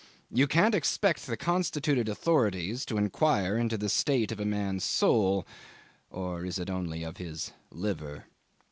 You can't expect the constituted authorities to inquire into the state of a man's soul or is it only of his liver?